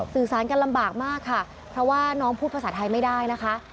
สื่อสารกันลำบากมากค่ะเพราะว่าน้องพูดภาษาไทยไม่ได้นะคะ